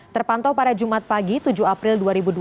terpantau pada jumat pagi tujuh april dua ribu dua puluh